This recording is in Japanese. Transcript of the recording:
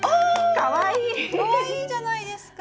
かわいいじゃないですか！